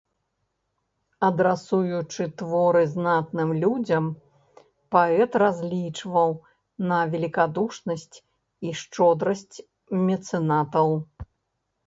Адрасуючы творы знатным людзям, паэт разлічваў на велікадушнасць і шчодрасць мецэнатаў.